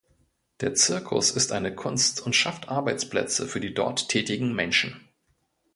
Der Zirkus ist eine Kunst und schafft Arbeitsplätze für die dort tätigen Menschen.